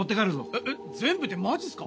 えっ全部ってマジっすか？